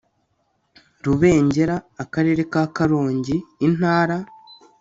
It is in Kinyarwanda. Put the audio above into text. Rubengera Akarere ka Karongi Intara